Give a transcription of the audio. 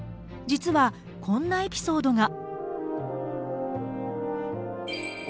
実はこんなエピソードが。